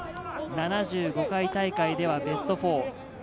７５回大会ではベスト４。